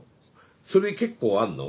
それ結構あんの？